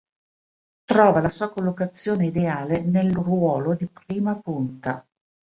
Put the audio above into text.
Trova la sua collocazione ideale nel ruolo di prima punta.